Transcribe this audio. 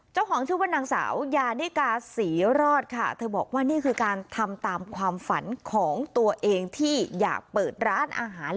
เจ้าของชื่อว่านางสาวยานิกาศรีรอดค่ะเธอบอกว่านี่คือการทำตามความฝันของตัวเองที่อยากเปิดร้านอาหาร